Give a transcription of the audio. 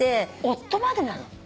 夫までなの？